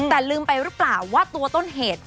แต่ลืมไปหรือเปล่าว่าตัวต้นเหตุ